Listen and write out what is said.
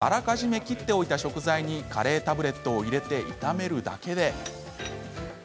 また、あらかじめ切っておいた食材にカレータブレットを入れて炒めるだけで。